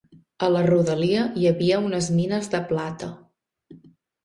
A la rodalia hi havia unes mines de plata.